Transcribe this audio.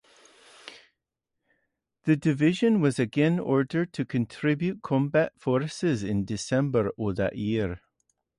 The division was again ordered to contribute combat forces in December of that year.